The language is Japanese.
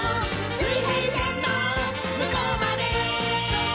「水平線のむこうまで」